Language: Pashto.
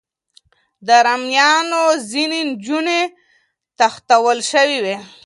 د ارمنیانو ځینې نجونې تښتول شوې وې.